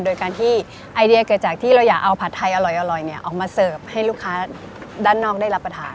โดยการที่ไอเดียเกิดจากที่เราอยากเอาผัดไทยอร่อยออกมาเสิร์ฟให้ลูกค้าด้านนอกได้รับประทาน